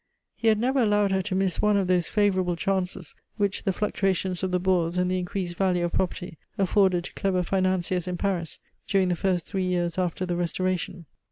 He had never allowed her to miss one of those favorable chances which the fluctuations of the Bourse and the increased value of property afforded to clever financiers in Paris during the first three years after the Restoration.